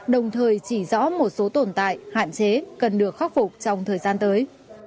đồng thời chỉ rõ một số tồn tại hạn chế cần được khắc phục trong thời gian tới